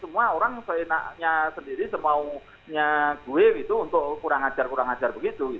semua orang seenaknya sendiri semau nya gue gitu untuk kurang ajar kurang ajar begitu